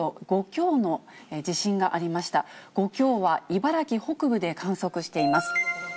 ５強は茨城北部で観測しています。